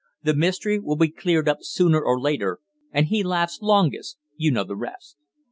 "The mystery will be cleared up sooner or later, and 'he laughs longest ...' you know the rest.